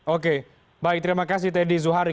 oke baik terima kasih teddy zuhari